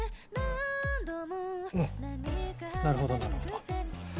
うんなるほどなるほど。